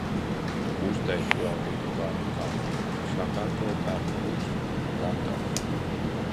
Uztaisu vēl vienu gardu kafiju un sakārtoju darbvirsmu. Gatavs!